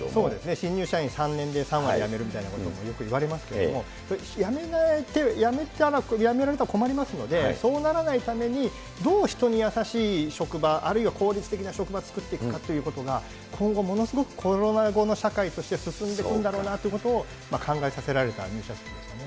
新入社員、３年で３割辞めるみたいなこともよくいわれますけれども、辞められたら困りますので、そうならないために、どう人に優しい職場、あるいは効率的な職場を作っていくかということが、今後ものすごくコロナ後の社会として進んでいくんだろうなということを、考えさせられた入社式でしたね。